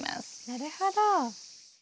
なるほど。